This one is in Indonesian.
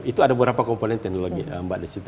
itu ada beberapa komponen teknologi mbak di situ